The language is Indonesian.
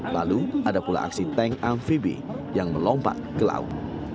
lalu ada pula aksi tank amfibi yang melompat ke laut